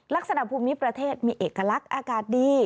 ลักษณะภูมิประเทศมีเอกลักษณ์อากาศดี